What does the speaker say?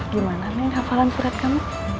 gimana ini hafalan surat kamu